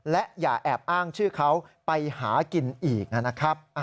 และอย่าแอบอ้างชื่อเขาไปหากินอีกนะครับ